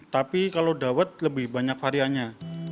tapi kalau dawet lebih banyak variannya